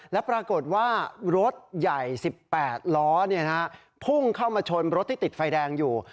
และปรากฏว่ารถใหญ่๑๘ล้อพุ่งเข้ามาชนรถที่ติดไฟแดงอยู่